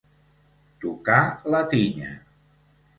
Tocar la tinya.